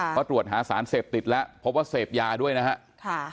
เพราะตรวจหาสารเสพติดแล้วพบว่าเสพยาด้วยนะครับ